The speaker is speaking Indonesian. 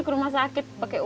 harus bpjs nya dulu ayahnya